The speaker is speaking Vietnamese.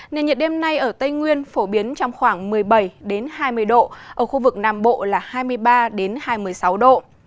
nền nhiệt đêm nay ở tây nguyên phổ biến trong khoảng một mươi bảy hai mươi độ ở khu vực nam bộ là hai mươi ba hai mươi sáu độ